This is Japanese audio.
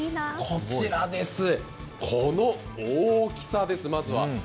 こちらです、この大きさです、まずは。